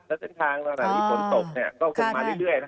และทางละหลายฝนตกก็คงมาเรื่อย